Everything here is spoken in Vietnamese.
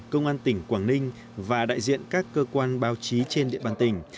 công an tỉnh quảng ninh và đại diện các cơ quan báo chí trên địa bàn tỉnh